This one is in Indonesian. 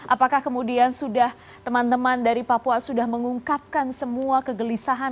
apakah kemudian sudah teman teman dari papua sudah mengungkapkan semua kegelisahan